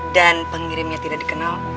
dan pengirimnya tidak dikenal